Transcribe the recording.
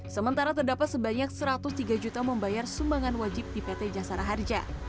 sementara terdapat sebanyak satu ratus tiga juta membayar sumbangan wajib di pt jasara harja